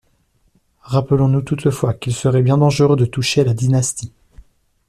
Rappelons-nous toutefois qu'il serait bien dangereux de toucher à la dynastie.